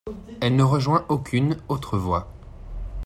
Elle ne rejoint aucune autre voie.